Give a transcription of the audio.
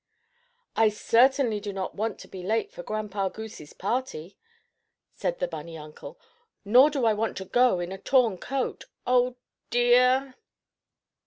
"I certainly do not want to be late to Grandpa Goosey's party," said the bunny uncle, "nor do I want to go to it in a torn coat. Oh, dear!"